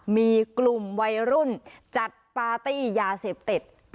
มีกลุ่มวัยรุ่นจัดปาร์ตี้ยาเสพติด